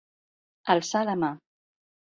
Alçar la mà.